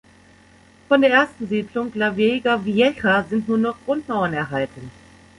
Von der ersten Siedlung La Vega Vieja sind nur noch Grundmauern erhalten.